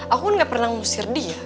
aku gak pernah ngusir dia